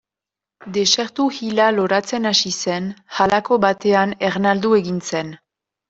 Desertu hila loratzen hasi zen, halako batean ernaldu egin zen.